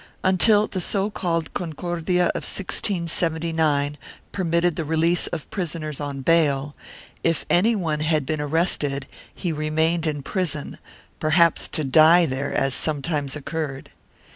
Until the so called Concordia of 1679 permitted the release of prisoners on bail, if any one had been arrested, he remained in prison, perhaps to die there as sometimes occurred.